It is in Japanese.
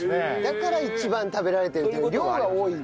だから一番食べられてる量が多い。